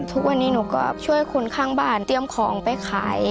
ทุกวันนี้หนูก็ช่วยคนข้างบ้านเตรียมของไปขาย